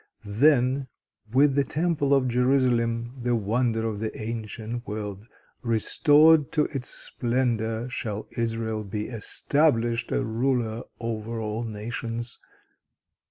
Then, with the Temple of Jerusalem the wonder of the ancient world restored to its splendor, shall Israel be established a ruler over all nations."